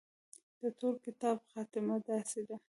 د ټول کتاب خاتمه داسې ده.